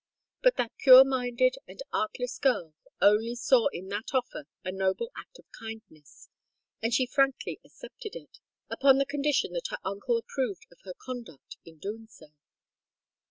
But that pure minded and artless girl only saw in that offer a noble act of kindness; and she frankly accepted it—upon the condition that her uncle approved of her conduct in doing so.